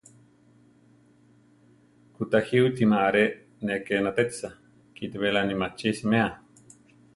Kutajíwitima aré ne ké natétisa; kíti beláni machí siméa.